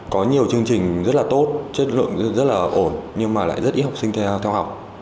có nhiều chương trình rất là tốt chất lượng rất là ổn nhưng mà lại rất ít học sinh theo học